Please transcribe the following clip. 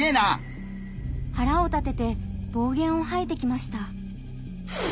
はらを立てて暴言をはいてきました。